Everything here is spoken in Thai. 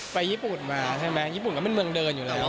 ไปญี่ปุ่นมาใช่ไหมญี่ปุ่นก็เป็นเมืองเดินอยู่แล้ว